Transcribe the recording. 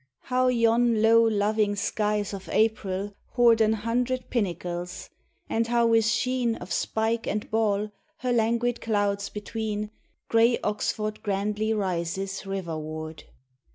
How yon low loving skies of April hoard An hundred pinnacles, and how with sheen Of spike and ball her languid clouds between, Grey Oxford grandly rises riverward!